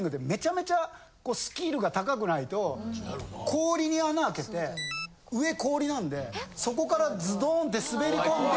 氷に穴開けて上氷なんでそこからズドンって滑り込んで。